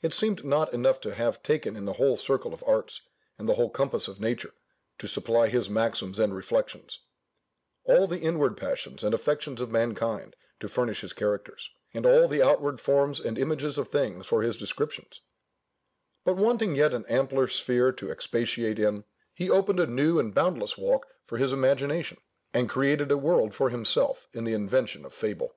It seemed not enough to have taken in the whole circle of arts, and the whole compass of nature, to supply his maxims and reflections; all the inward passions and affections of mankind, to furnish his characters: and all the outward forms and images of things for his descriptions: but wanting yet an ampler sphere to expatiate in, he opened a new and boundless walk for his imagination, and created a world for himself in the invention of fable.